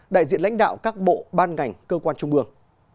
đại diện lãnh đạo các bộ ban ngành cơ quan trung ương